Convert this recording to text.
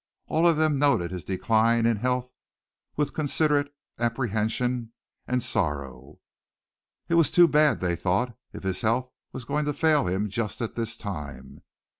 All of them noted his decline in health with considerate apprehension and sorrow. It was too bad, they thought, if his health was going to fail him just at this time.